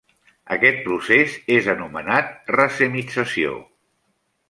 Aquest procés és anomenat racemització.